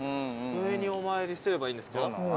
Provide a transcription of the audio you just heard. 上にお参りすればいいんですか？